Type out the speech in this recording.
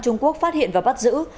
trung quốc phát hiện và bắt giữ